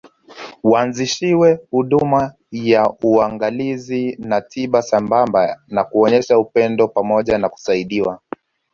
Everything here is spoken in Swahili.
Waanzishiwe huduma ya uangalizi na tiba sambamba na kuonyeshwa upendo pamoja na kusaidiwa